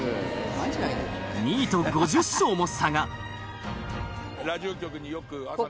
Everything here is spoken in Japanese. ２位と５０勝も差が。